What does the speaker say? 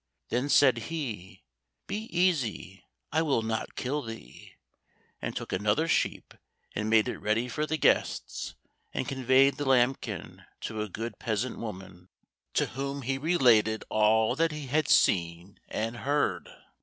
Then said he, "Be easy, I will not kill thee," and took another sheep and made it ready for the guests, and conveyed the lambkin to a good peasant woman, to whom he related all that he had seen and heard.